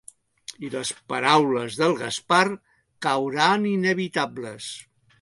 I les paraules del Gaspar cauran inevitables.